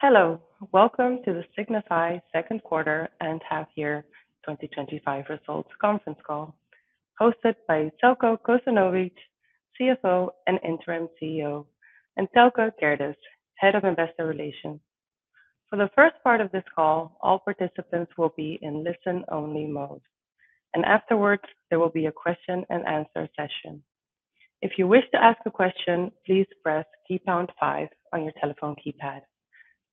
Hello. Welcome to the Signify second quarter and half year twenty twenty five results conference call hosted by Telco Kosanovich, CFO and interim CEO and Telco Kirtis, Head of Investor Relations. For the first part of this call, all participants will be in listen only mode. And afterwards, there will be a question and answer session. If you wish to ask a question, please press pound five on your telephone keypad.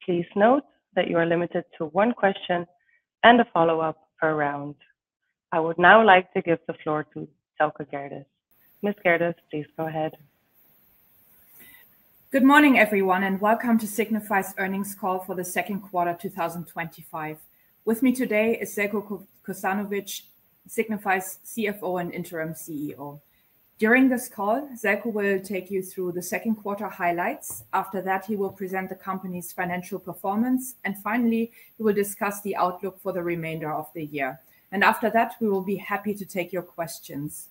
Please note that you are limited to one question and a follow-up per round. I would now like to give the floor to Telka Gerdes. Ms. Gerdes, please go ahead. Good morning, everyone, and welcome to Signify's earnings call for the second quarter twenty twenty five. With me today is Zelka Kosanovic, Signify's CFO and Interim CEO. During this call, Zeko will take you through the second quarter highlights. After that, he will present the company's financial performance. And finally, he will discuss the outlook for the remainder of the year. And after that, we will be happy to take your questions.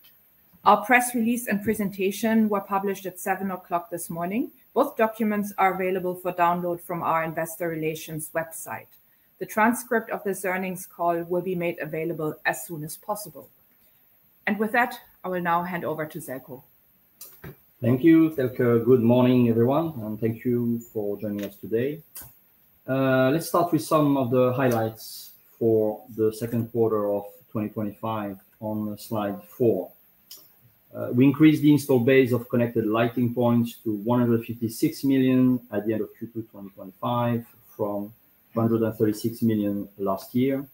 Our press release and presentation were published at 07:00 this morning. Both documents are available for download from our Investor Relations website. The transcript of this earnings call will be made available as soon as possible. And with that, I will now hand over to Selko. Thank you, Telke. Good morning, everyone, and thank you for joining us today. Let's start with some of the highlights for the 2025 on Slide four. We increased the installed base of connected lighting points to 156,000,000 at the 2025 from 136,000,000 last year.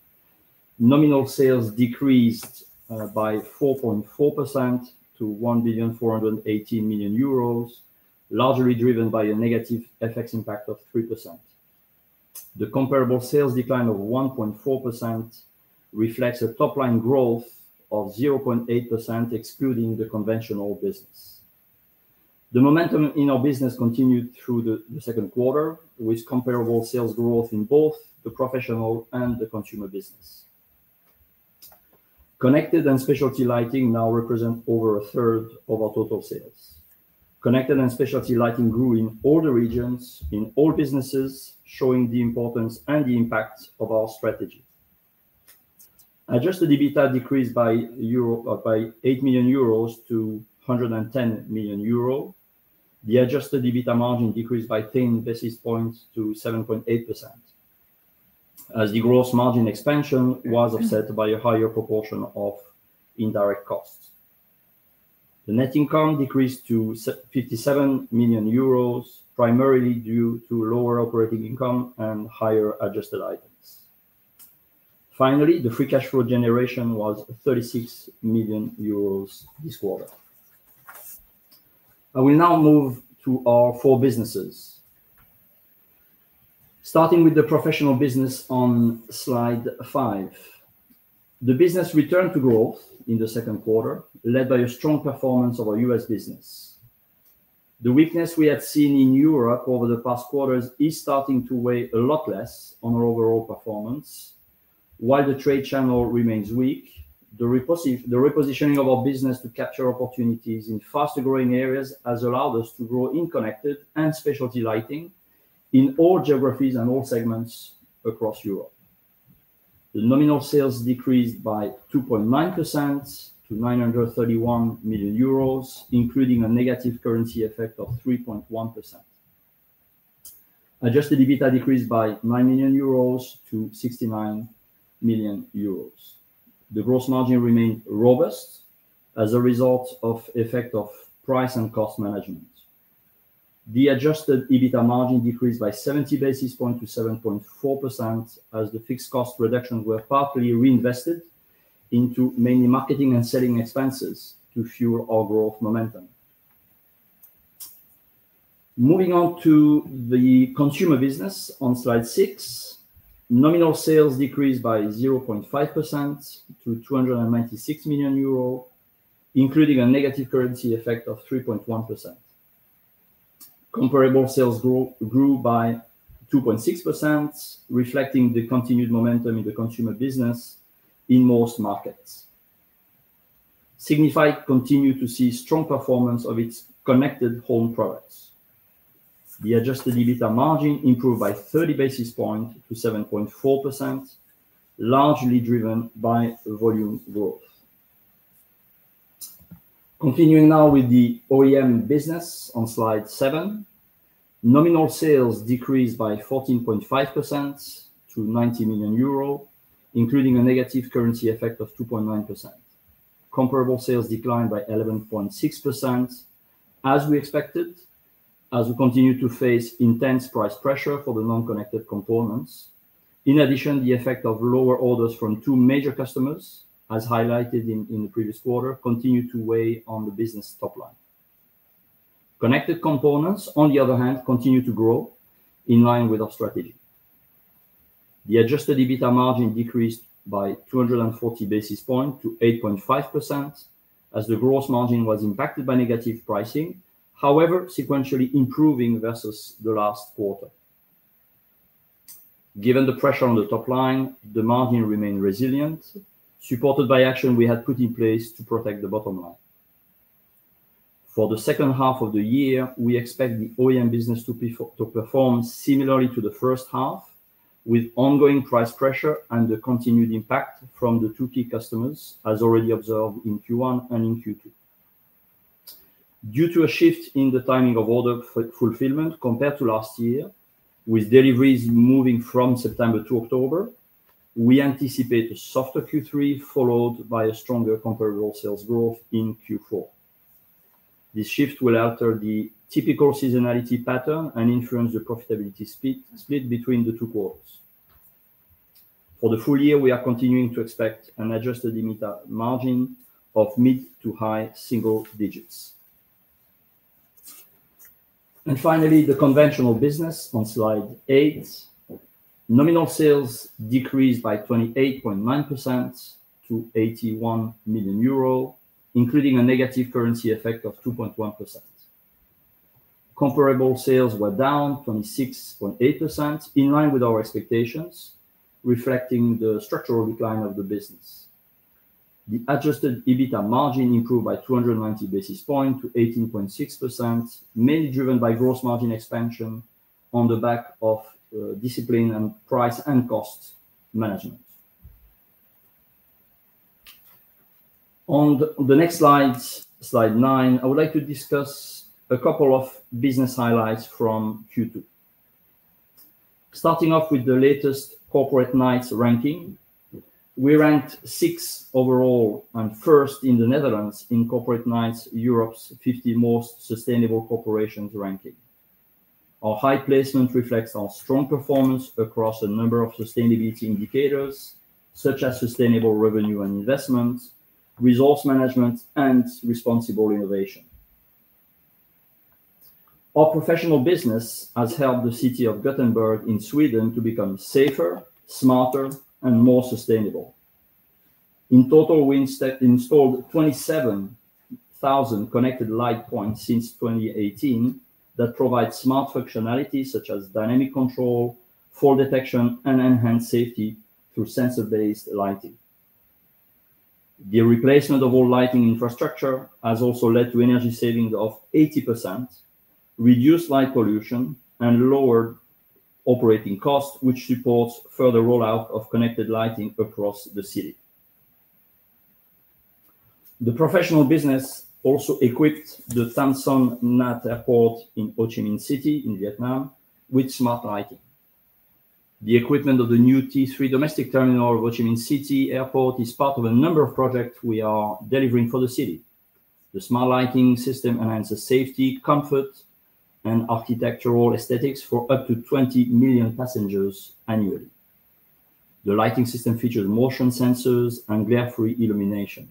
Nominal sales decreased by 4.4% to €1,418,000,000, largely driven by a negative FX impact of 3%. The comparable sales decline of 1.4% reflects a top line growth of 0.8% excluding the conventional business. The momentum in our business continued through the second quarter with comparable sales growth in both the professional and the consumer business. Connected and Specialty Lighting now represent over a third of our total sales. Connected and Specialty Lighting grew in all the regions in all businesses, showing the importance and the impact of our strategy. Adjusted EBITA decreased by euro by €8,000,000 to €110,000,000 The adjusted EBITA margin decreased by 10 basis points to 7.8% as the gross margin expansion was offset by a higher proportion of indirect costs. The net income decreased to €57,000,000 primarily due to lower operating income and higher adjusted items. Finally, the free cash flow generation was €36,000,000 this quarter. I will now move to our four businesses. Starting with the professional business on slide five. The business returned to growth in the second quarter led by a strong performance of our US business. The weakness we had seen in Europe over the past quarters is starting to weigh a lot less on our overall performance. While the trade channel remains weak, the reposse the repositioning of our business to capture opportunities in faster growing areas has allowed us to grow in connected and specialty lighting in all geographies and all segments across Europe. The nominal sales decreased by 2.9% to €931,000,000 including a negative currency effect of 3.1%. Adjusted EBITA decreased by €9,000,000 to €69,000,000 The gross margin remained robust as a result of effect of price and cost management. The adjusted EBITA margin decreased by 70 basis points to 7.4% as the fixed cost reductions were partly reinvested into mainly marketing and selling expenses to fuel our growth momentum. Moving on to the consumer business on Slide six. Nominal sales decreased by 0.5% to €296,000,000 including a negative currency effect of 3.1%. Comparable sales grew by 2.6%, reflecting the continued momentum in the consumer business in most markets. Signify continued to see strong performance of its connected home products. The adjusted EBITA margin improved by 30 basis points to 7.4%, largely driven by volume growth. Continuing now with the OEM business on Slide seven. Nominal sales decreased by 14.5% to €90,000,000, including a negative currency effect of 2.9%. Comparable sales declined by 11.6% as we expected as we continue to face intense price pressure for the non connected components. In addition, the effect of lower orders from two major customers as highlighted in in the previous quarter continued to weigh on the business top line. Connected Components, on the other hand, continued to grow in line with our strategy. The adjusted EBITA margin decreased by two forty basis points to 8.5% as the gross margin was impacted by negative pricing, however, sequentially improving versus the last quarter. Given the pressure on the top line, the margin remained resilient, supported by action we had put in place to protect the bottom line. For the second half of the year, we expect the OEM business to be to perform similarly to the first half with ongoing price pressure and the continued impact from the two key customers as already observed in q one and in q two. Due to a shift in the timing of order fulfillment compared to last year, with deliveries moving from September to October, we anticipate a softer q three followed by a stronger comparable sales growth in q four. This shift will alter the typical seasonality pattern and influence the profitability split between the two quarters. For the full year, we are continuing to expect an adjusted EBITA margin of mid to high single digits. And finally, the conventional business on Slide eight. Nominal sales decreased by 28.9% to €81,000,000 including a negative currency effect of 2.1%. Comparable sales were down 26.8%, in line with our expectations, reflecting the structural decline of the business. The adjusted EBITA margin improved by two ninety basis points to 18.6%, mainly driven by gross margin expansion on the back of discipline and price and cost management. On the next slide, slide nine, I would like to discuss a couple of business highlights from q two. Starting off with the latest corporate nights ranking, we ranked sixth overall and first in The Netherlands in corporate nights Europe's 50 most sustainable corporations ranking. Our high placement reflects our strong performance across a number of sustainability indicators such as sustainable revenue and investments, resource management, and responsible innovation. Our professional business has helped the city of Gothenburg in Sweden to become safer, smarter, and more sustainable. In total, installed 27,000 connected light points since 2018 that provide smart functionalities such as dynamic control, full detection, and enhanced safety through sensor based lighting. The replacement of all lighting infrastructure has also led to energy saving of 80%, reduced light pollution, and lower operating cost, which supports further rollout of connected lighting across the city. The professional business also equipped the Samsung Nath Airport in Ho Chi Minh City in Vietnam with smart lighting. The equipment of the new t three domestic terminal of Ho Chi Minh City Airport is part of a number of projects we are delivering for the city. The smart lighting system enhances safety, comfort, and architectural aesthetics for up to 20,000,000 passengers annually. The lighting system features motion sensors and glare free illumination.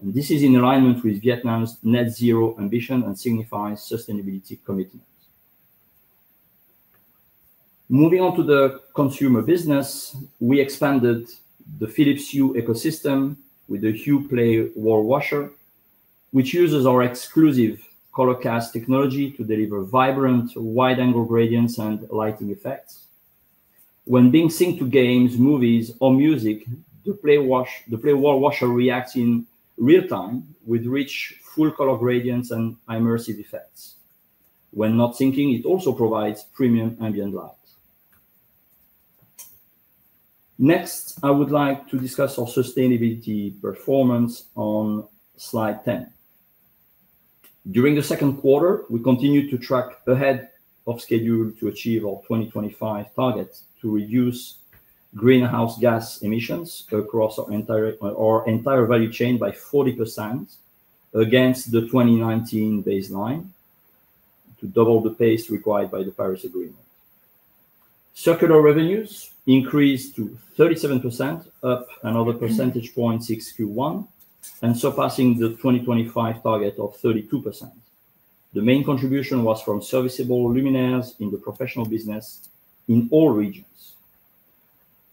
This is in alignment with Vietnam's net zero ambition and signifies sustainability commitments. Moving on to the consumer business, we expanded the Philips Hue ecosystem with the Hue Play wall washer, which uses our exclusive color cast technology to deliver vibrant, wide angle gradients and lighting effects. When being synced to games, movies, or music, the PlayWallWasher reacts in real time with rich full color gradients and immersive effects. When not syncing, it also provides premium ambient light. Next, I would like to discuss our sustainability performance on Slide 10. During the second quarter, we continued to track ahead of schedule to achieve our 2025 targets to reduce greenhouse gas emissions across our entire our entire value chain by 40% against the 2019 baseline to double the pace required by the Paris Agreement. Circular revenues increased to 37%, up another percentage point since q one and surpassing the 2025 target of 32%. The main contribution was from serviceable luminaires in the professional business in all regions.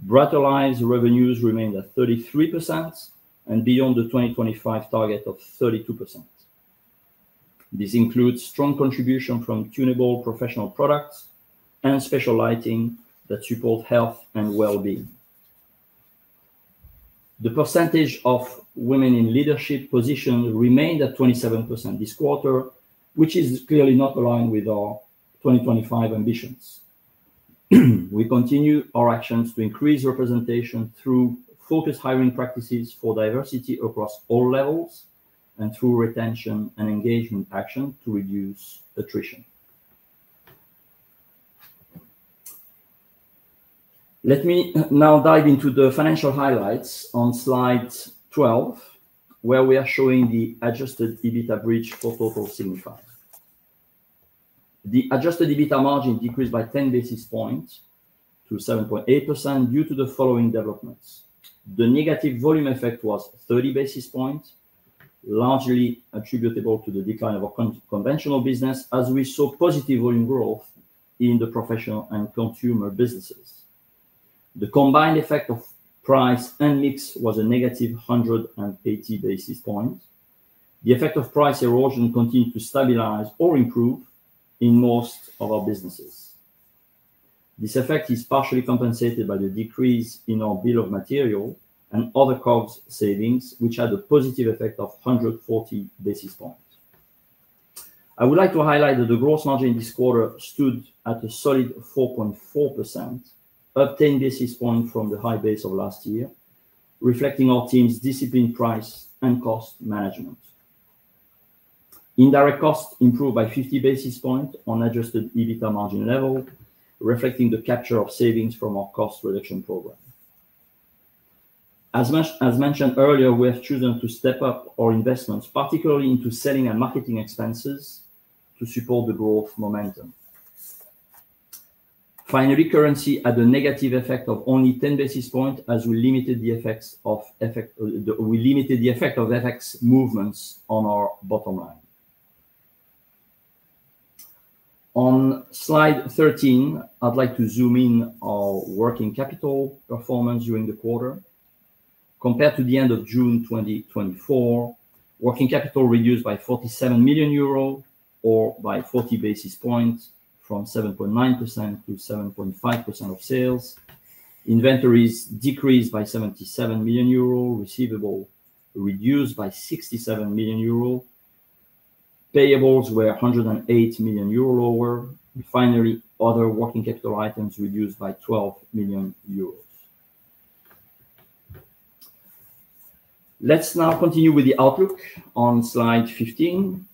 Bratalized revenues remained at 33% and beyond the 2025 target of 32%. This includes strong contribution from tunable professional products and special lighting that support health and well-being. The percentage of women in leadership position remained at 27% this quarter, which is clearly not aligned with our 2025 ambitions. We continue our actions to increase representation through focused hiring practices for diversity across all levels and through retention and engagement action to reduce attrition. Let me now dive into the financial highlights on slide 12 where we are showing the adjusted EBITDA bridge for total SIGNIFY. The adjusted EBITDA margin decreased by 10 basis points to 7.8% due to the following developments. The negative volume effect was 30 basis points, largely attributable to the decline of our con conventional business as we saw positive volume growth in the professional and consumer businesses. The combined effect of price and mix was a negative 180 basis points. The effect of price erosion continued to stabilize or improve in most of our businesses. This effect is partially compensated by the decrease in our bill of material and other COGS savings, which had a positive effect of 140 basis points. I would like to highlight that the gross margin this quarter stood at a solid 4.4%, up 10 basis points from the high base of last year, reflecting our team's disciplined price and cost management. Indirect costs improved by 50 basis points on adjusted EBITA margin level, reflecting the capture of savings from our cost reduction program. As much as mentioned earlier, we have chosen to step up our investments, particularly into selling and marketing expenses to support the growth momentum. Finally, currency had a negative effect of only 10 basis point as we limited the effects of FX movements on our bottom line. On Slide 13, I'd like to zoom in our working capital performance during the quarter. Compared to the June, working capital reduced by €47,000,000 or by 40 basis points from 7.9% to 7.5% of sales. Inventories decreased by €77,000,000. Receivable reduced by €67,000,000. Payables were a €108,000,000 lower. And finally, other working capital items reduced by €12,000,000. Let's now continue with the outlook on slide 15.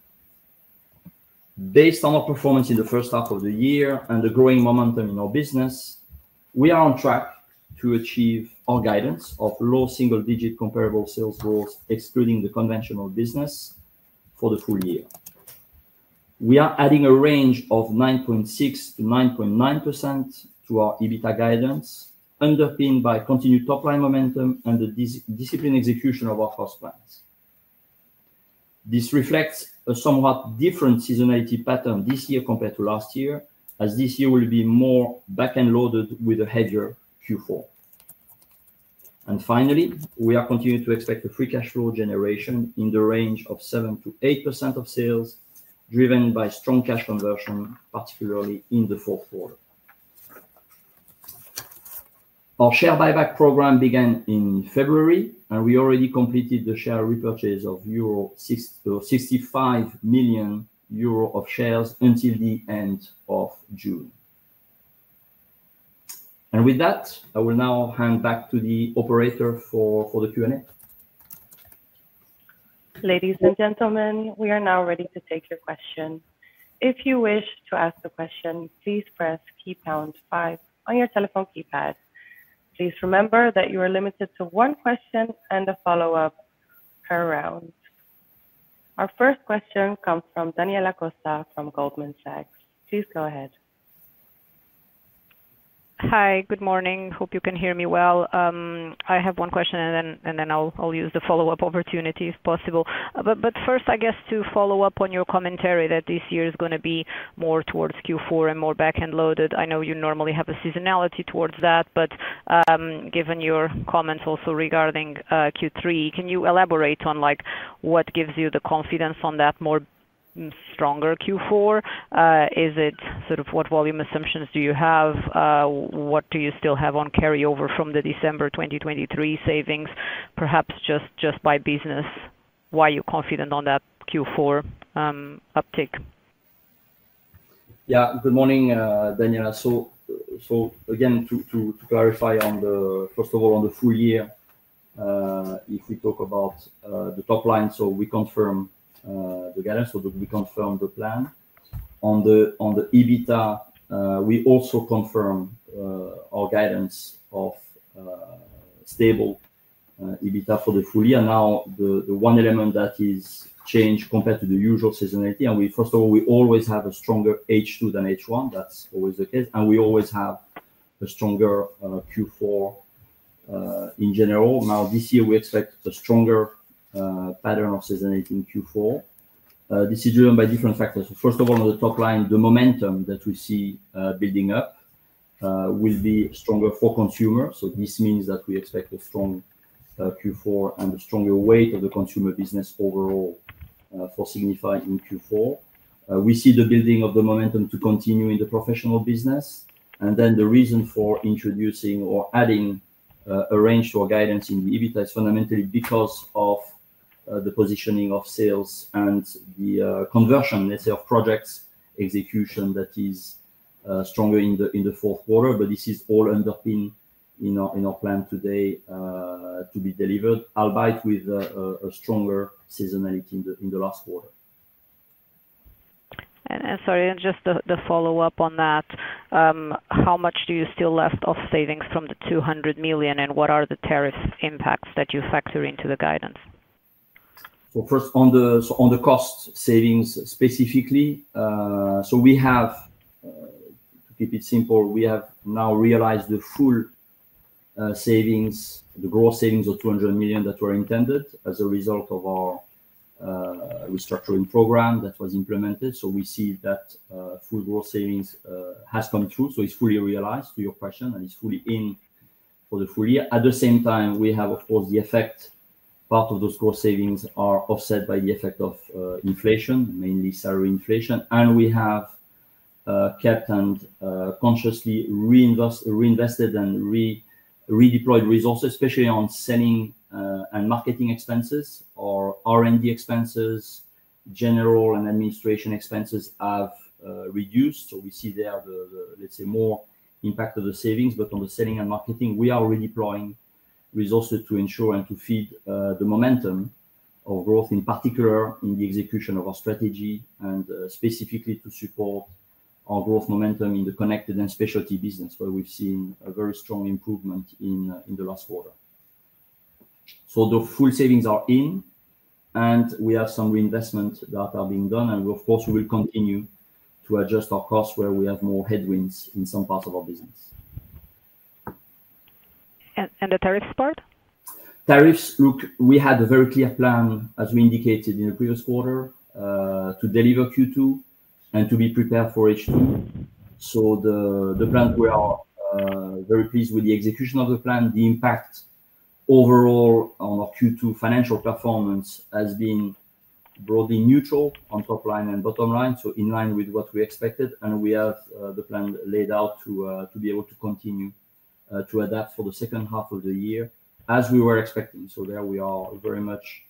Based on our performance in the first half of the year and the growing momentum in our business, we are on track to achieve our guidance of low single digit comparable sales growth excluding the conventional business for the full year. We are adding a range of 9.6% to 9.9 to our EBITDA guidance, underpinned by continued top line momentum and the disciplined execution of our cost plans. This reflects a somewhat different seasonality pattern this year compared to last year as this year will be more back end loaded with a heavier q four. And finally, we are continuing to expect the free cash flow generation in the range of 7% to to 8% of sales driven by strong cash conversion, particularly in the fourth quarter. Our share buyback program began in February and we already completed the share repurchase of 65,000,000 Euro of shares until the June. And with that, I will now hand back to the operator for the Q and A. Ladies and gentlemen, we are now ready to take your question. Our first question comes from Daniela Costa from Goldman Sachs. Please go ahead. Hi, good morning. Hope you can hear me well. I have one question and then I'll use the follow-up opportunity if possible. But first, I guess to follow-up on your commentary that this year is going to be more towards Q4 and more back end loaded. I know you normally have a seasonality towards that. But given your comments also regarding Q3, can you elaborate on like what gives you the confidence on that more stronger Q4? Is it sort of what volume assumptions do you have? What do you still have on carryover from December 2023 savings? Perhaps just by business, why you're confident on that Q4 uptick? Yes. Good morning, Daniela. So again, to to to clarify on the first of all, on the full year, if we talk about the top line, so we confirm the guidance. So we confirm the plan. On the on the EBITA, we also confirm our guidance of stable EBITDA for the full year. Now the the one element that is changed compared to the usual seasonality, we first of all, we always have a stronger h two than h one. That's always the case. And we always have a stronger q four in general. Now this year, we expect a stronger pattern of seasonality in q four. This is driven by different factors. First of all, on the top line, the momentum that we see building up will be stronger for consumers. So this means that we expect a strong q four and a stronger weight of the consumer business overall for Signify in q four. We see the building of the momentum to continue in the professional business. And then the reason for introducing or adding a range to our guidance in EBITDA is fundamentally because of the positioning of sales and the conversion, let's say, of projects execution that is stronger in fourth quarter, but this is all underpinned in plan today to be delivered, albeit with a stronger seasonality in the last quarter. Sorry, and just the follow-up on that. How much do you still left of savings from the €200,000,000 and what are the tariff impacts that you factor into the guidance? So first on the cost savings specifically, so we have to keep it simple, we have now realized the full savings, the gross savings of €200,000,000 that were intended as a result of our restructuring program that was implemented. So we see that full gross savings has come through. So it's fully realized to your question, and it's fully in for the full year. At the same time, we have, of course, the effect part of those cost savings are offset by the effect of inflation, mainly salary inflation. And we have kept and consciously reinvest reinvested and re redeployed resources, especially on selling and marketing expenses or or r and d expenses, general and administration expenses have reduced. So we see they have the the, let's say, more impact of the savings. But on the selling and marketing, we are redeploying resources to ensure and to feed the momentum of growth in particular in the execution of our strategy and specifically to support our growth momentum in the connected and specialty business where we've seen a very strong improvement in in the last quarter. So the full savings are in and we have some reinvestments that are being done and of course, we will continue to adjust our costs where we have more headwinds in some parts of our business. And and the tariffs part? Tariffs, look, we had a very clear plan as we indicated in the previous quarter to deliver q two and to be prepared for h two. So the the plan, we are very pleased with the execution of the plan. The impact overall on our q two financial performance has been broadly neutral on top line and bottom line. So in line with what we expected, and we have the plan laid out to to be able to continue to adapt for the second half of the year as we were expecting. So there we are very much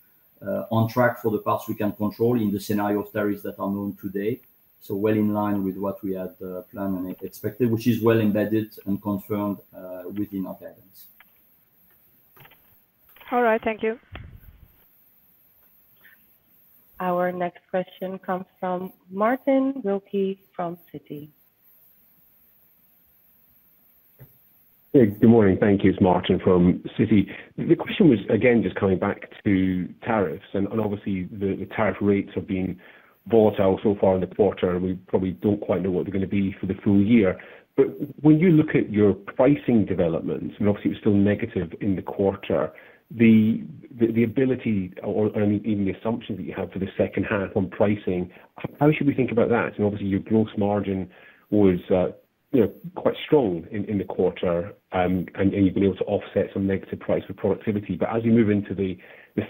on track for the parts we can control in the scenario of tariffs that are known today. So well in line with what we had planned and expected, which is well embedded and confirmed within our guidance. All right. Thank you. Our next question comes from Martin Wilkie from Citi. Hey, good morning. Thank you. It's Martin from Citi. The question was, again, just coming back to tariffs. And obviously, the tariff rates have been bought out so far in the quarter. We probably don't quite know what they're going to be for the full year. But when you look at your pricing developments, and obviously, it's still negative in the quarter, the ability or I mean, even the assumption that you have for the second half on pricing, how should we think about that? And obviously, your gross margin was quite strong in the quarter and you've been able to offset some negative price for productivity. But as you move into the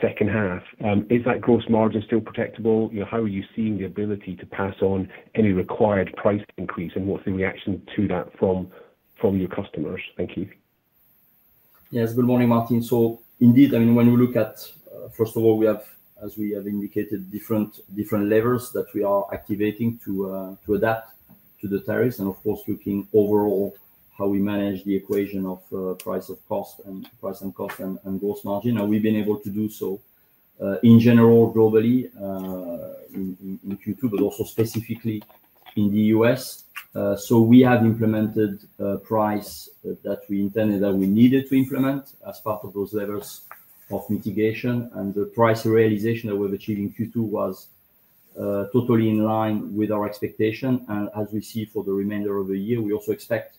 second half, is that gross margin still protectable? How are you seeing the ability to pass on any required price increase? And what's the reaction to that from your customers? Thank you. Yes. Good morning, Martin. So indeed, I mean, we look at first of all, we have as we have indicated different levers that we are activating to adapt to the tariffs and, of course, looking overall how we manage the equation of price of cost and price and cost and gross margin. And we've been able to do so in general globally in Q2, but also specifically in The US. So we have implemented price that we intended that we needed to implement as part of those levels of mitigation. And the price realization that we've achieved in Q2 was totally in line with our expectation. And as we see for the remainder of the year. We also expect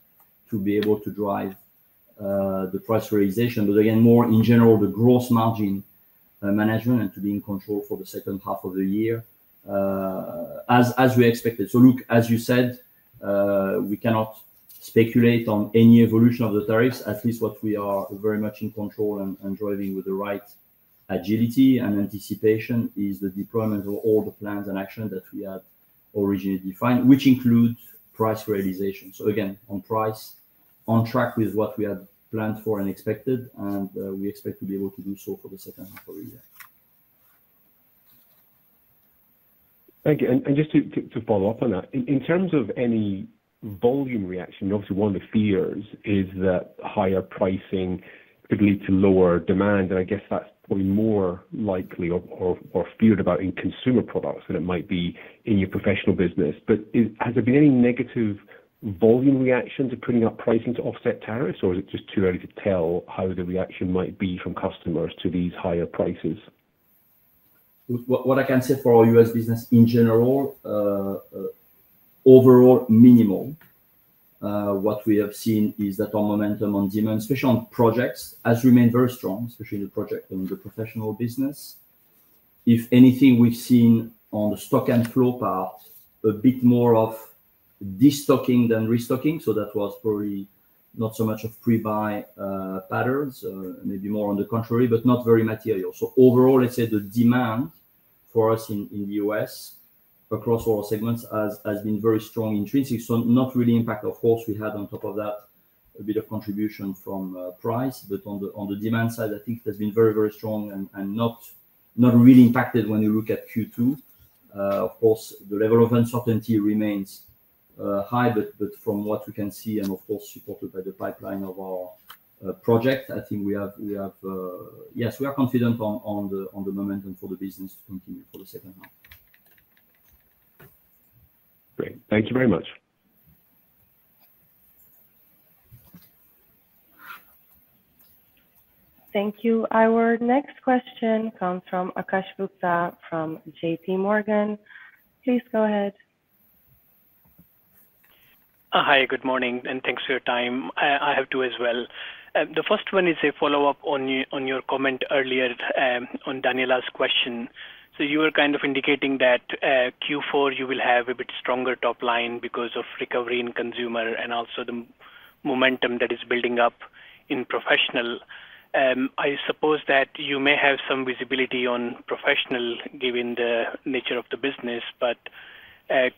to be able to drive the price realization. But again, more in general, the gross margin management and to be in control for the second half of the year as as we expected. So look, as you said, we cannot speculate on any evolution of the tariffs. At least what we are very much in control and and driving with the right agility and anticipation is the deployment of all the plans and actions that we have originally defined, which includes price realization. So again, on price, on track with what we have planned for and expected, and we expect to be able to do so for the second half of the year. Thank you. And just to follow-up on that. In terms of any volume reaction, obviously, one of fears is that higher pricing could lead to lower demand. And I guess that's probably more likely or feared about in consumer products than it might be in your professional business. But has there been any negative volume reaction to putting up pricing to offset tariffs? Or is it just too early to tell how the reaction might be from customers to these higher prices? What what I can say for our US business in general, overall minimal. What we have seen is that our momentum on demand, especially on projects, has remained very strong, especially in the project and the professional business. Anything, we've seen on the stock and flow part, a bit more of destocking than restocking. So that was probably not so much of pre buy patterns, more on the contrary, but not very material. So overall, let's say the demand for us in in The US across all segments has has been very strong, intrinsic. So not really impact. Of course, we had on top of that a bit of contribution from price. But on the on the demand side, I think there's been very, very strong and and not not really impacted when you look at q two. Of course, the level of uncertainty remains high, but but from what we can see and, of course, supported by the pipeline of our project, I think we have we have yes. We are confident on the momentum for the business to continue for the second half. Great. Thank you very much. Thank you. Our next question comes from Akash Gupta from JPMorgan. Please go ahead. Hi, good morning and thanks for your time. I have two as well. The first one is a follow-up on your comment earlier on Daniela's question. So you were kind of indicating that Q4 you will have a bit stronger top line because of recovery in consumer and also the momentum that is building up in professional. I suppose that you may have some visibility on professional given the nature of the business, but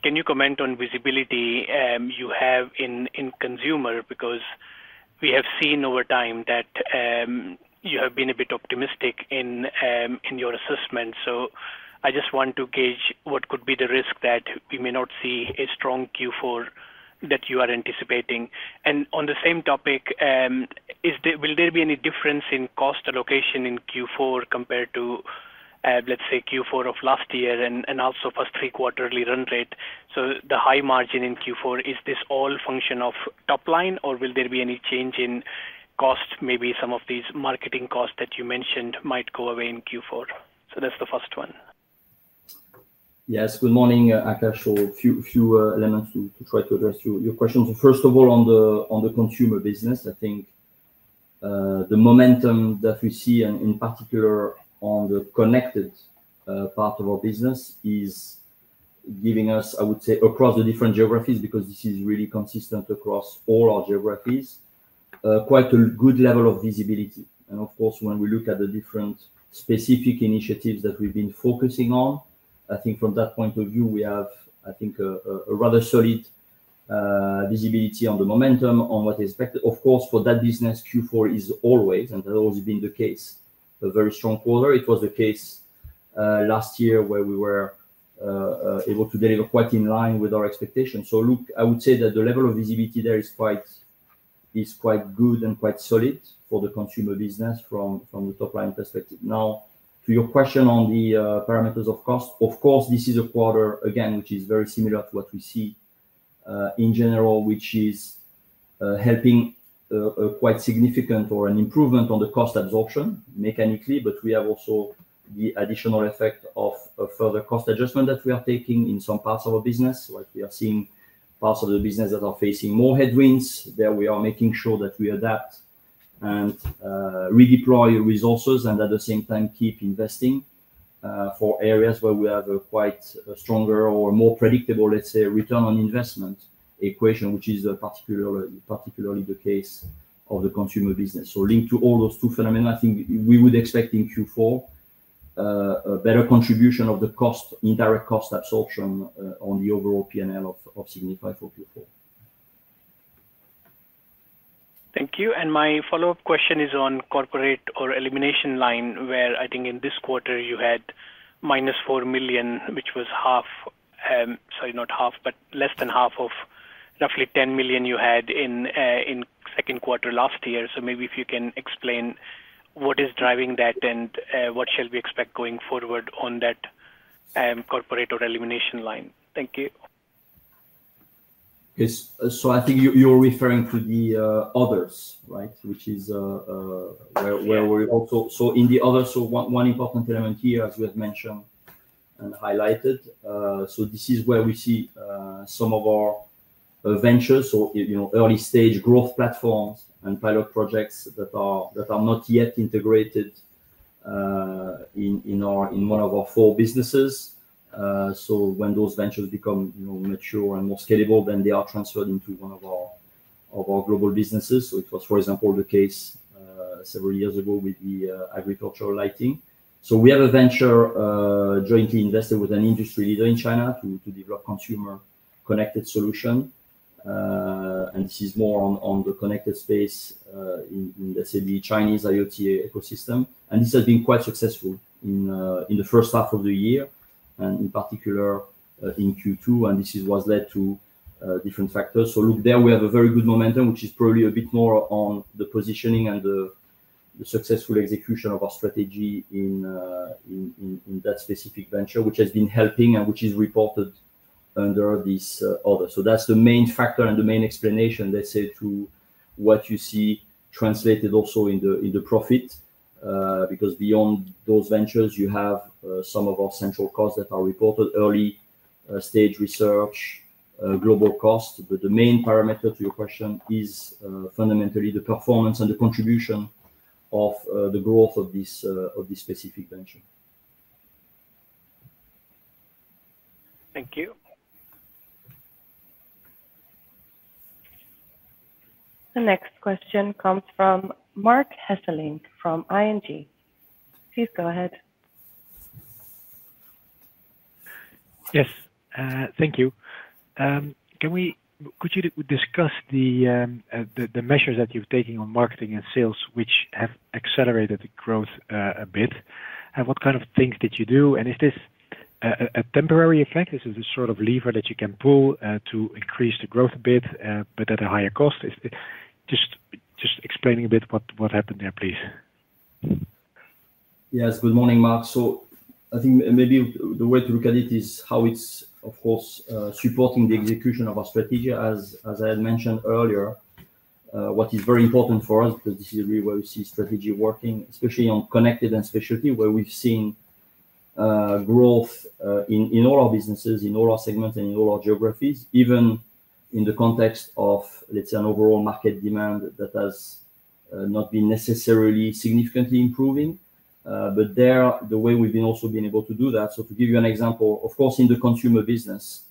can you comment on visibility you have in consumer because we have seen over time that you have been a bit optimistic in your assessment. So I just want to gauge what could be the risk that we may not see a strong Q4 that you are anticipating? And on the same topic, will there be any difference in cost allocation in Q4 compared to, let's say, Q4 of last year and also first three quarterly run rate? So the high margin in Q4, is this all function of top line? Or will there be any change in cost, maybe some of these marketing costs that you mentioned might go away in Q4? So that's the first one. Yes. Good morning, Akash. So a few elements to try to address your your questions. So first of all, on the on the consumer business, I think the momentum that we see in in particular on the connected part of our business is giving us, I would say, across the different geographies because this is really consistent across all our geographies, quite a good level of visibility. And, of course, when we look at the different specific initiatives that we've been focusing on, I think think from that point of view, we have, I think, a a rather solid visibility on the momentum on what is expected. Of course, for that business, q four is always, and that's always been the case, a very strong quarter. It was the case last year where we were able to deliver quite in line with our expectations. So, look, I would say that the level of visibility there is quite is quite good and quite solid for the consumer business from from the top line perspective. Now to your question on the parameters of cost, of course, this is a quarter, again, which is very similar to what we see in general, which is helping quite significant or an improvement on the cost absorption mechanically, but we have also the additional effect of a further cost adjustment that we are taking in some parts of our business. Like, we are seeing parts of the business that are facing more headwinds. There, we are making sure that we adapt and redeploy your resources and at the same time, investing for areas where we have a quite stronger or more predictable, let's say, return on investment equation, which is a particular particularly the case of the consumer business. So linked to all those two phenomena, I think we would expect in q four a better contribution of the cost indirect cost absorption on the overall P and L of Signify for Q4. Thank you. And my follow-up question is on corporate or elimination line where I think in this quarter you had minus $4,000,000 which was half sorry, not half, but less than half of roughly $10,000,000 you had in second quarter last year. So maybe if you can explain what is driving that and what shall we expect going forward on that corporate or elimination line? Thank you. Yes. So I think you're referring to the others, right, which is where where we also so in the others, so one one important element here as we have mentioned and highlighted. So this is where we see some of our ventures or, you know, early stage growth platforms and pilot projects that are that are not yet integrated in in our in one of our four businesses. So when those ventures become, you know, mature and more scalable, then they are transferred into one of our global businesses. So it was, for example, the case several years ago with the agricultural lighting. So we have a venture jointly invested with an industry leader in China to develop consumer connected solution, And this is more on on the connected space in in, let's say, the Chinese IoT ecosystem. And this has been quite successful in in the first half of the year, and in particular, in q two, and this is what led to different factors. So there we have a very good momentum, which is probably a bit more on the positioning and the the successful execution of our strategy in in that specific venture, which has been helping and which is reported under these orders. So that's the main factor and the main explanation, let's say, to what you see translated also in the in the profit. Because beyond those ventures, you have some of our central costs that are reported early stage research, global costs. But the main parameter to your question is fundamentally the performance and the contribution of the growth of this of this specific venture. Thank you. The next question comes from Mark Hessling from ING. Please go ahead. Yes. Thank you. Can we could you discuss the measures that you've taken on marketing and sales, which have accelerated the growth a bit? And what kind of things did you do? And is this a temporary effect? This is a sort of lever that you can pull to increase the growth a bit, but at a higher cost? Just explaining a bit what happened there, please. Yes. Good morning, Mark. So I think maybe the way to look at it is how it's, of course, supporting the execution of our strategy. As as I had mentioned earlier, what is very important for us, because this is really where we see strategy working, especially on connected and specialty where we've seen growth in in all our businesses, in all our segments, and in all our geographies, even in the context of, let's say, an overall market demand that has not been necessarily significantly improving. But there, the way we've been also been able to do that so to give you an example, of course, the consumer business,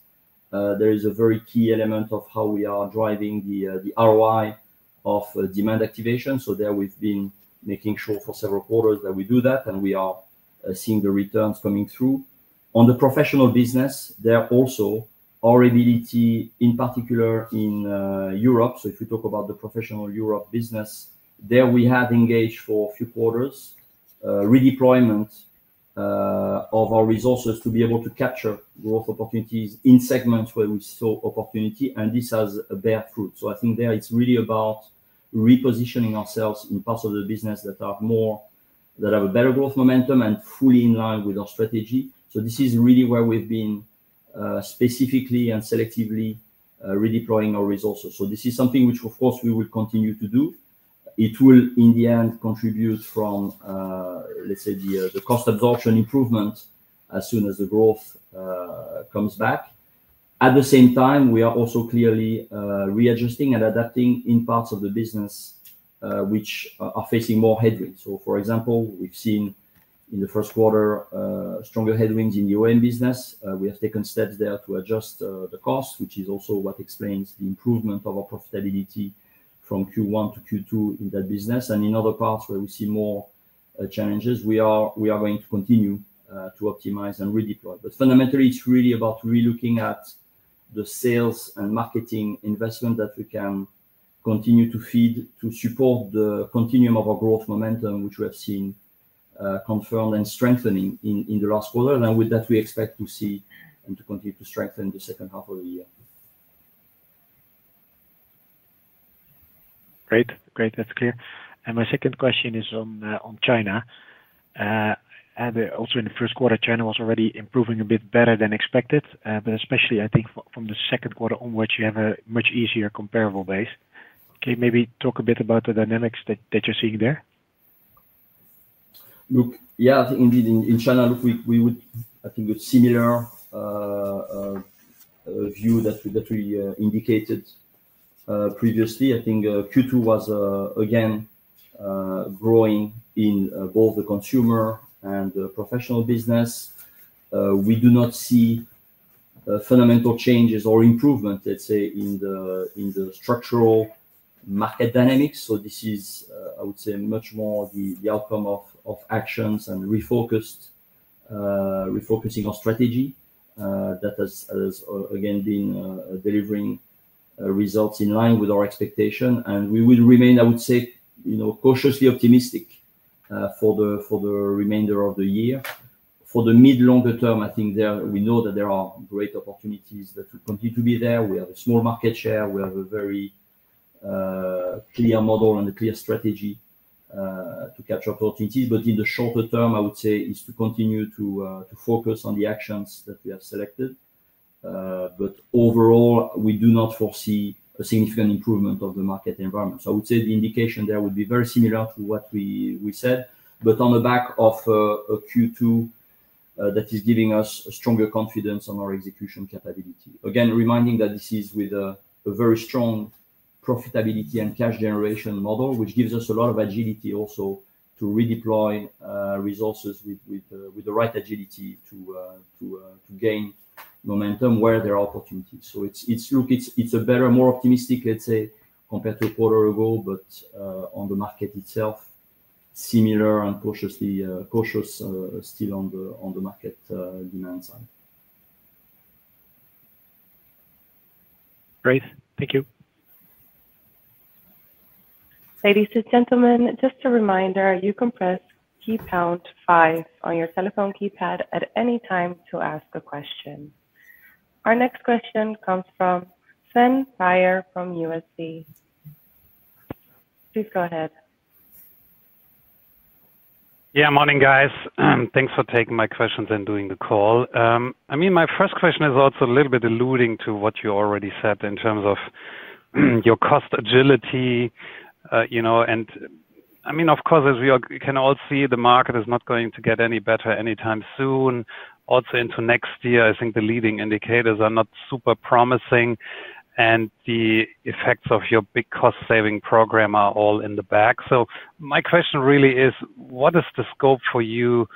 there is a very key element of how we are driving the the ROI of demand activation. So there we've been making sure for several quarters that we do that, and we are seeing the returns coming through. On the professional business, there are also our ability in particular in Europe. So if we talk about the professional Europe business, there we have engaged for a few quarters redeployment of our resources to be able to capture growth opportunities in segments where we saw opportunity, and this has a bear fruit. So I think there it's really about repositioning ourselves in parts of the business that are more that have a better growth momentum and fully in line with our strategy. So this is really where we've been specifically and selectively redeploying our resources. So this is something which, of course, we will continue to do. It will, in the end, contribute from, let's say, the the cost absorption improvement as soon as the growth comes back. At the same time, we are also clearly readjusting and adapting in parts of the business which are facing more headwinds. So for example, we've seen in the first quarter stronger headwinds in the OEM business. We have taken steps there to adjust cost, which is also what explains the improvement of our profitability from q one to q two in that business. And in other parts where we see more challenges, we are we are going to continue to optimize and redeploy. But fundamentally, it's really about relooking at the sales and marketing investment that we can continue to feed to support the continuum of our growth momentum, which we have seen confirmed and strengthening in in the last quarter. And with that, we expect to see and to continue to strengthen the second half of the year. Great. Great. That's clear. And my second question is on China. Also in the first quarter, China was already improving a bit better than expected, but especially I think from the second quarter onwards, you have a much easier comparable base. Can you maybe talk a bit about the dynamics that you're seeing there? Look, yes, indeed, in channel, we would I think it's similar view that we that we indicated previously. I think q two was, again, growing in both the consumer and the professional business. We do not see fundamental changes or improvement, let's say, in the in the structural market dynamics. So this is, I would say, much more the the outcome of of actions and refocused refocusing our strategy that has has again been delivering results in line with our expectation. And we will remain, I would say, you know, cautiously optimistic for the for the remainder of the year. Mid longer term, I think there we know that there are great opportunities that will continue to be there. We have a small market share. We have a very clear model and a clear strategy to capture opportunities. But in the shorter term, I would say, is to continue to to focus on the actions that we have selected. But overall, we do not foresee a significant improvement of the market environment. So would say the indication there would be very similar to what we we said. But on the back of q two, that is giving us a stronger confidence on our execution capability. Again, reminding that this is with a a very strong profitability and cash generation model, which gives us a lot of agility also to redeploy resources with with with the right agility to to to gain momentum where there are opportunities. So it's it's look. It's it's a better, more optimistic, let's say, compared to a quarter ago, but on the market itself, similar and cautiously cautious still on the on the market demand side. Great. Thank you. Our next question comes from Sven Pryor from Please go ahead. Yes. Morning, guys. Thanks for taking my questions and doing the call. I mean, my first question is also a little bit alluding to what you already said in terms of your cost agility. And I mean, of course, as we can all see, the market is not going to get any better anytime soon. Also into next year, I think the leading indicators are not super promising. And the effects of your big cost saving program are all in the bag. So my question really is, what is the scope for you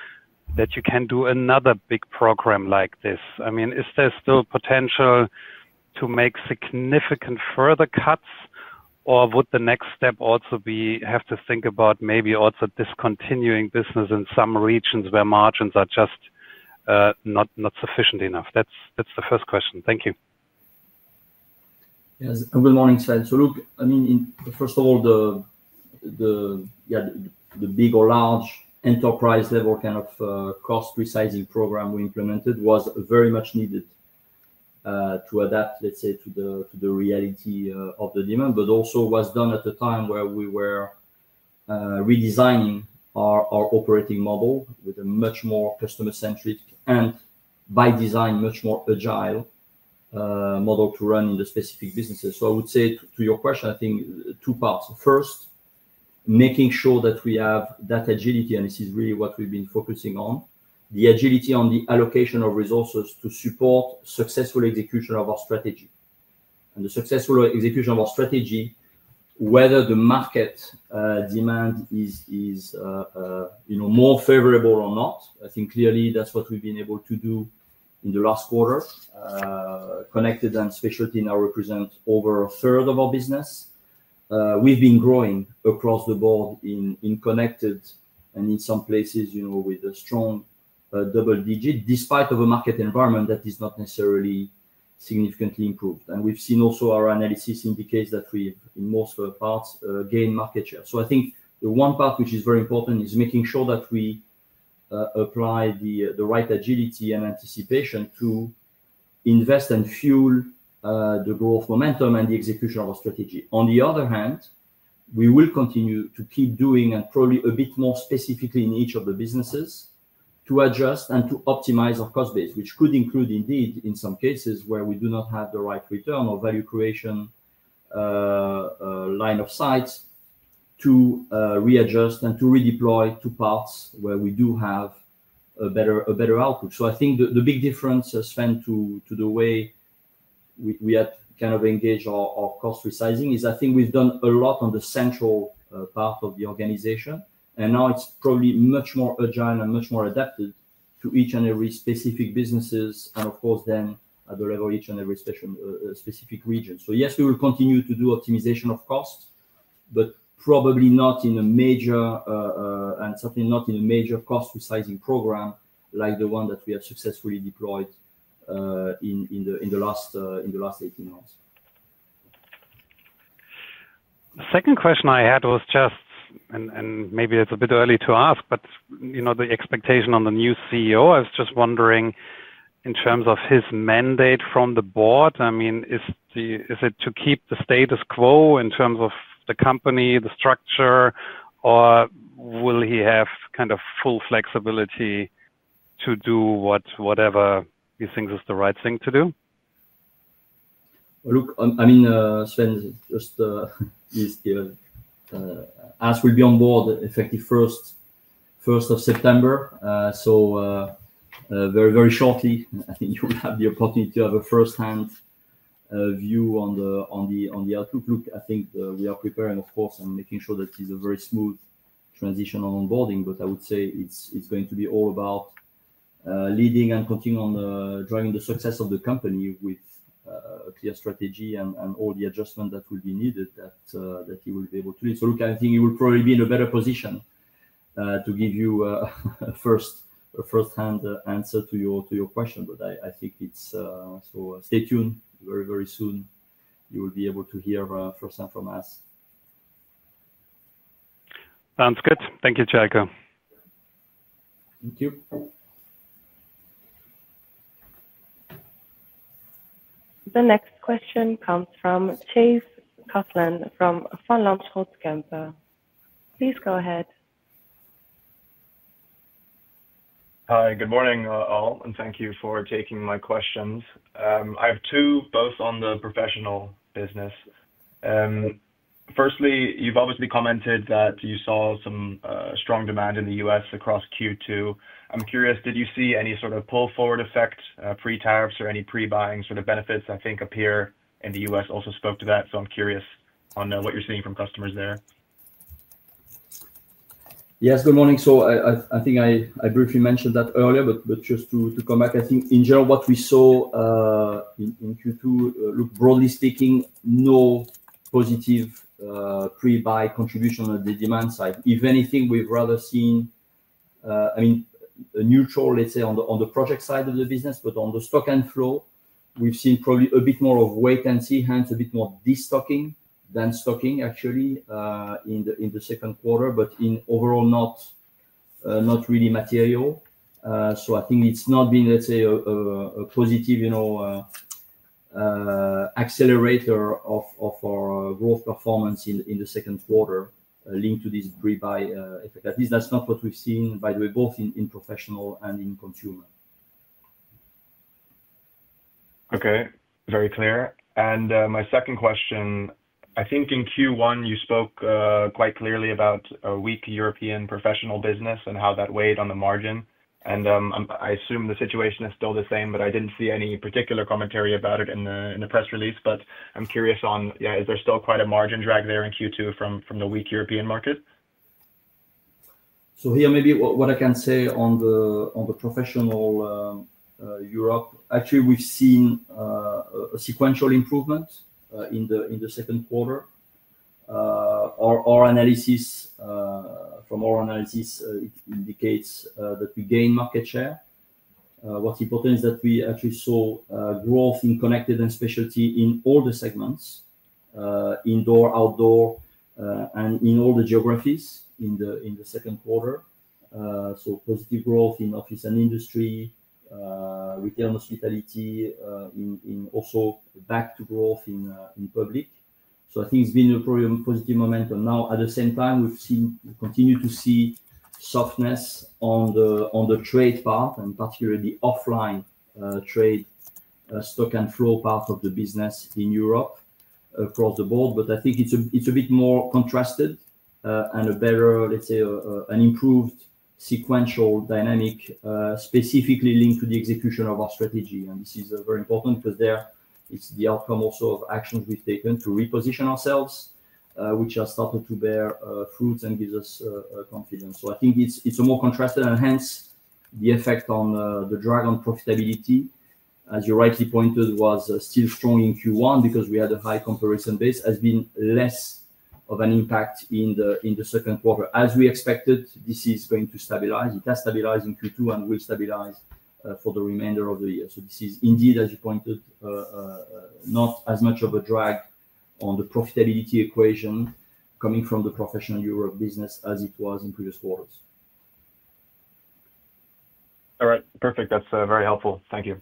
that you can do another big program like this? I mean, is there still potential to make significant further cuts? Or would the next step also be have to think about maybe also discontinuing business in some regions where margins are just not sufficient enough? That's the first question. Thank you. Yes. Good morning, Sven. So look. I mean, first of all, the the, yeah, the big or large enterprise level kind of cost resizing program we implemented was very much needed to adapt, let's say, to the to the reality of the demand, but also was done at the time where we were redesigning our our operating model with a much more customer centric and by design, much more agile model to run the specific businesses. So I would say to your question, I think two parts. First, making sure that we have that agility, and this is really what we've been focusing on. The agility on the allocation of resources to support successful execution of our strategy. And the successful execution of our strategy, whether the market demand is is, you know, more favorable or not, I think, clearly, that's what we've been able to do in the last quarter. Connected and specialty now represents over a third of our business. We've been growing across the board in in connected and in some places, you know, with a strong double digit despite of a market environment that is not necessarily significantly improved. And we've seen also our analysis indicates that we've, in most of the parts, gained market share. So I think the one part which is very important is making sure that we apply the the right agility and anticipation to invest and fuel the growth momentum and the execution of our strategy. On the other hand, we will continue to keep doing and probably a bit more specifically in each of the businesses to adjust and to optimize our cost base, which could include indeed in some cases where we do not have the right return or value creation line of sights to readjust and to redeploy to parts where we do have a better a better output. So I think the the big difference has been to to the way we we have kind of engaged our our cost resizing is I think we've done a lot on the central part of the organization. And now it's probably much more agile and much more adapted to each and every specific businesses and, of course, then at the level each and every session specific region. So, yes, we will continue to do optimization of costs, but probably not in a major and certainly not in a major cost resizing program like the one that we have successfully deployed in in the in the last in the last eighteen months. Second question I had was just and and maybe it's a bit early to ask, but, the expectation on the new CEO, I was just wondering in terms of his mandate from the board. I mean, is it to keep the status quo in terms of the company, the structure? Or will he have kind of full flexibility to do what whatever he thinks is the right thing to do? Look, I mean, Sven, just he's given asked we'll be on board effective September. So very, very shortly, I think you will have the opportunity to have a firsthand view on the on the on the outlook. Look, I think we are preparing, of and course, and making sure that it's a very smooth transition on onboarding, but I would say it's it's going to be all about leading and continue on driving the success of the company with a clear strategy and and all the adjustment that will be needed that that he will be able to do. So, Luca, I think he will probably be in a better position to give you a first a firsthand answer to your to your question, but I I think it's so stay tuned very, very soon. You will be able to hear first hand from us. Sounds good. Thank you, Jacob. Thank you. The next question comes from Chase Cotland from Varnlanczhultzkampfer. Please go ahead. Hi, good morning all, and thank you for taking my questions. I have two, both on the Professional business. Firstly, you've obviously commented that you saw some strong demand in The U. S. Across Q2. I'm curious, did you see any sort of pull forward effect, pre tariffs or any pre buying sort of benefits? Think Appear The U. S. Also spoke to that. So I'm curious on what you're seeing from customers there. Yes. Good morning. So I think I briefly mentioned that earlier, just to come back, I think, in general, what we saw in Q2, broadly speaking, no positive pre buy contribution on the demand side. If anything, we'd rather seen, I mean, a neutral, let's say, the on the project side of the business, but on the stock and flow, we've seen probably a bit more of wait and see, hence a bit more destocking than stocking actually in the in the second quarter, but in overall not not really material. So I think it's not been, let's say, a a positive, you know, accelerator of of our growth performance in in the second quarter linked to this pre buy effect. At least that's not what we've seen, by the way, both in in professional and in consumer. Okay. Very clear. And my second question, I think in Q1, spoke quite clearly about a weak European professional business and how that weighed on the margin. And I assume the situation is still the same, but I didn't see any particular commentary about it in press release. But I'm curious on, yes, is there still quite a margin drag there in Q2 from the weak European market? So here, maybe what I can say on the Professional Europe, actually, we've seen a sequential improvement in the in the second quarter. Our our analysis from our analysis indicates that we gain market share. What's important is that we actually saw growth in connected and specialty in all the segments, indoor, outdoor, in all the geographies in the in the second quarter. So positive growth in office and industry, retail and hospitality in in also back to growth in in public. So I think it's been a very positive momentum. Now at the same time, we've seen continue to see softness on the on the trade part and particularly offline trade stock and flow part of the business in Europe across the board. But I think it's a it's a bit more contrasted and a better, let's say, an improved sequential dynamic specifically linked to the execution of our strategy. And this is very important because there is the outcome also of actions we've taken to reposition ourselves, which has started to bear fruits and gives us confidence. So I think it's it's a more contrast and hence the effect on the drag on profitability. As you rightly pointed, it was still strong in q one because we had a high comparison base, has been less of an impact in the in the second quarter. As we expected, this is going to stabilize. It has stabilized in q two and will stabilize for the remainder of the year. So this is indeed, as you pointed, not as much of a drag on the profitability equation coming from the Professional Europe business as it was in previous quarters. All right. Perfect. That's very helpful. Thank you.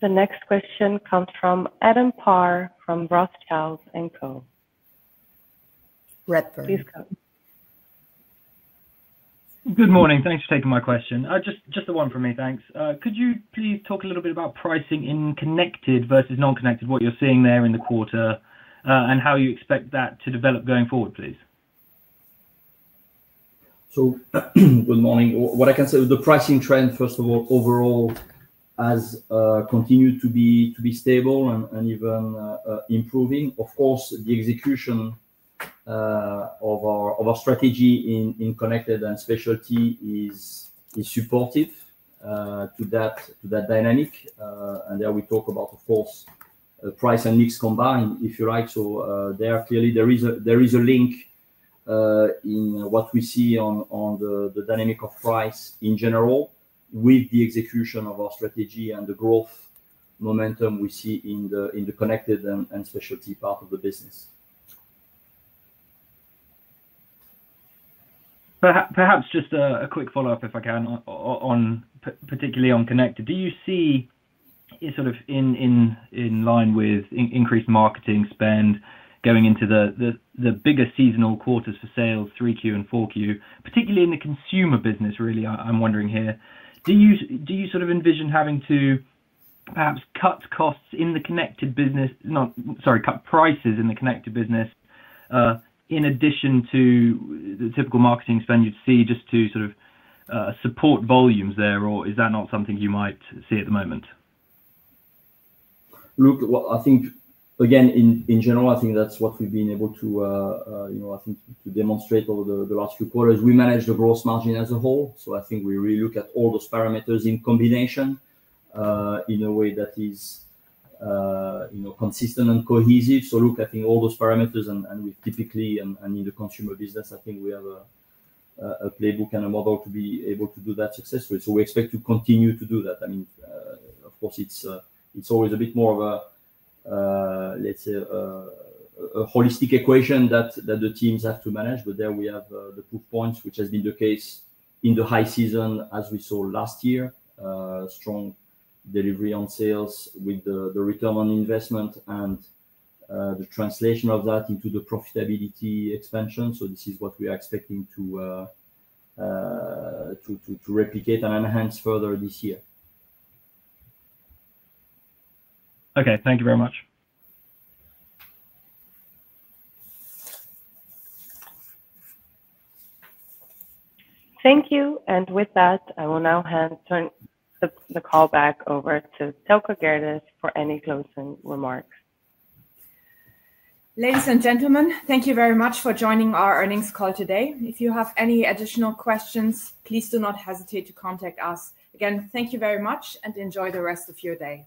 The next question comes from Adam Parr from Rothschild and Co. Redburn. Please go. Good morning. Thanks for taking my question. Just the one for me, thanks. Could you please talk a little bit about pricing in connected versus non connected, what you're seeing there in the quarter and how you expect that to develop going forward, please? So good morning. What I can say is the pricing trend, first of all, overall has continued to be stable and even improving. Of course, the execution of our of our strategy in in connected and specialty is is supportive to that that dynamic. And there we talk about, of course, price and mix combined, if you like. So there are clearly there is a there is a link in what we see on on the the dynamic of price in general with the execution of our strategy and the growth momentum we see in the in the connected and and specialty part of the business. Perhaps just a quick follow-up if I can on particularly on Connected. Do you see sort of in line with increased marketing spend going into the bigger seasonal quarters for sales 3Q and 4Q, particularly in the consumer business really, I'm wondering here. Do you sort of envision having to perhaps cut costs in the connected business sorry, cut prices in the connected business in addition to the typical marketing spend you'd see just to sort of support volumes there? Or is that not something you might see at the moment? Look, I think, again, in in general, think that's what we've been able to, you know, I think to demonstrate over the the last few quarters. We manage the gross margin as a whole. So I think we really look at all those parameters in combination in a way that is, you know, consistent and cohesive. So look, I think all those parameters and and we typically and in the consumer business, I think we have a a playbook and a model to be able to do that successfully. So we expect to continue to do that. I mean, of course, it's it's always a bit more of a, let's say, a holistic equation that that the teams have to manage, but there we have the proof points, which has been the case in the high season as we saw last year. Strong delivery on sales with the the return on investment and the translation of that into the profitability expansion. So this is what we are expecting to to replicate and enhance further this year. Okay. Thank you very much. Thank you. And with that, I will now hand turn call back over to Telco Gairdes for any closing remarks. Ladies and gentlemen, thank you very much for joining our earnings call today. If you have any additional questions, please do not hesitate to contact us. Again, thank you very much, and enjoy the rest of your day.